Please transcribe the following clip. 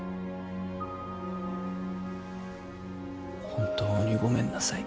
本当にごめんなさい。